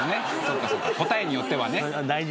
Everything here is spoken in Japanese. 答えによってはね。